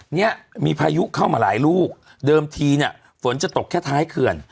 เนี่ยมีพายุเข้ามาหลายลูกเดิมทีเนี่ยฝนจะตกแค่ท้ายเขื่อน